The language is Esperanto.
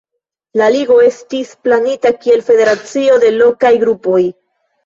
La Ligo estis planita kiel federacio de lokaj grupoj.